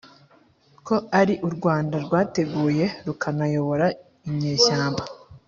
Ko ari u rwanda rwateguye rukanayobora inyeshyamba